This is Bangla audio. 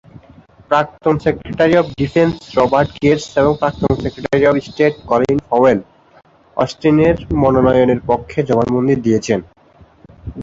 প্রাক্তন secretary of defence, Robert Gates এবং প্রাক্তন secretary of state Colin Powell, অস্টিনের মনোনয়নের পক্ষে জবানবন্দি দিয়েছেন।